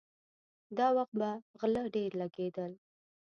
دا وخت به غله ډېر لګېدل.